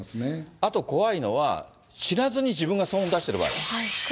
あと、怖いのは知らずに自分が騒音を出している場合は。